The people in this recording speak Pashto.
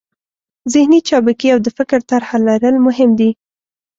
ذهني چابکي او د فکر طرحه لرل مهم دي.